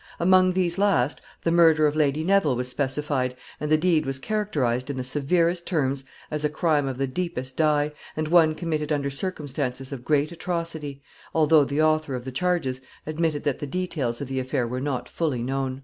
Among these last the murder of Lady Neville was specified, and the deed was characterized in the severest terms as a crime of the deepest dye, and one committed under circumstances of great atrocity, although the author of the charges admitted that the details of the affair were not fully known.